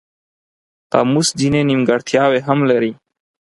قاموس ځینې نیمګړتیاوې هم لري.